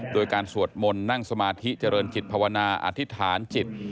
โดยการสวดมนต์นั่งสมาธิเจริญจิตภาวนาอธิษฐานจิต